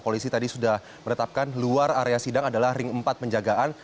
polisi tadi sudah menetapkan luar area sidang adalah ring empat penjagaan